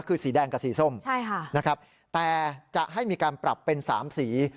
คือสีแดงกับสีส้มนะครับแต่จะให้มีการปรับเป็น๓สี